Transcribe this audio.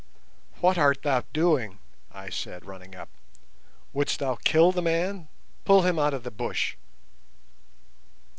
"What art thou doing?" I said, running up. "Wouldst thou kill the man? Pull him out of the bush!"